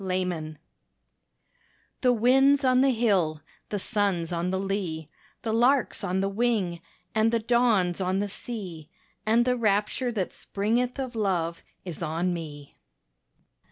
TO —— The wind's on the hill, The sun's on the lea, The lark's on the wing And the dawn's on the sea, And the rapture that springeth of Love, is on me.